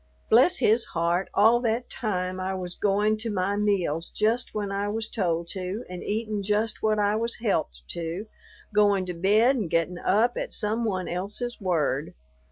Bless his heart, all that time I was going to my meals just when I was told to and eatin' just what I was helped to, going to bed and getting up at some one else's word!